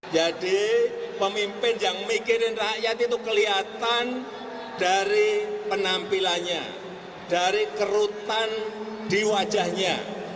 jadi pemimpin yang mikirin rakyat itu kelihatan dari penampilannya dari kerutan di wajahnya